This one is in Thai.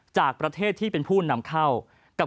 จากประเทศที่เป็นผู้นำเข้ากับ